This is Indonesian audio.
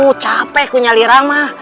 ato capek aku nyali ramah